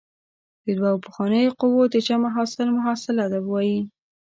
د دوو پخوانیو قوو د جمع حاصل محصله وايي.